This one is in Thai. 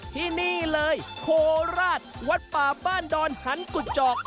ที่นี่เลยโคราชวัดป่าบ้านดอนหันกุจอก